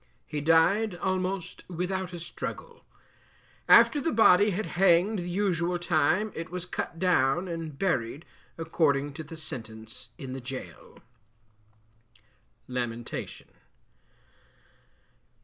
He died almost without a struggle. After the body had hanged the usual time it was cut down and buried according to the sentence, in the gaol. LAMENTATION.